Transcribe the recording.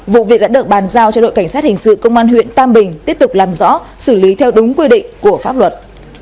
vụ việc đã được bàn giao cho đội cảnh sát hình sự công an huyện tam bình tiếp tục làm rõ xử lý theo đúng quy định của pháp luật